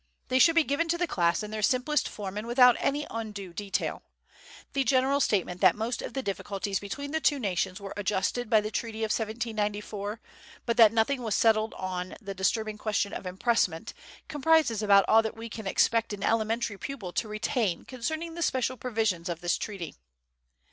They should be given to the class in their simplest form and without any undue detail. The general statement that most of the difficulties between the two nations were adjusted by the treaty of 1794, but that nothing was settled on the disturbing question of impressment, comprises about all that we can expect an elementary pupil to retain concerning the special provisions of this treaty.